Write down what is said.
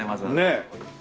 ねえ。